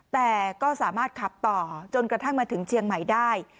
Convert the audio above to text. แต่ก็สามารถขับต่อจนกระทั่งมาถึงเชียงใหม่ได้